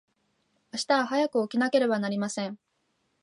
明日は早く起きなければなりません。